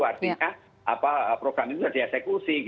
artinya program itu sudah dieksekusi